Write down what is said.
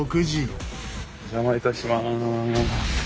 お邪魔いたします。